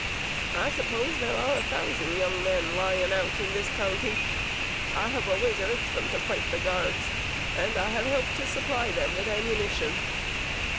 I suppose there are a thousand young men lying out in this county. I have always urged them to fight the Guards, and have helped to supply them with ammunition.